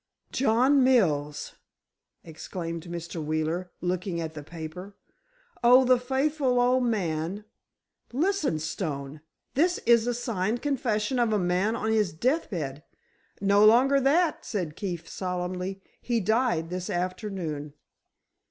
"John Mills!" exclaimed Mr. Wheeler, looking at the paper. "Oh, the faithful old man! Listen, Stone. This is a signed confession of a man on his death bed——" "No longer that," said Keefe, solemnly, "he died this afternoon."